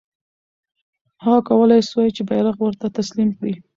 هغه کولای سوای چې بیرغ ورته تسلیم کړي.